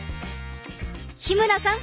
日村さん